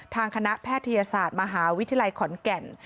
ทางคณะแพทยศาสตร์มหาวิทยาลัยขอนแก่น